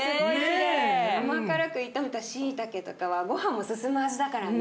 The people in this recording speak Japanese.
甘辛く炒めたしいたけとかはごはんも進む味だからね。